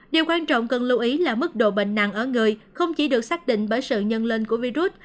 điều quan trọng cần lưu ý là mức độ bệnh nặng ở người không chỉ được xác định bởi sự nhân lên của virus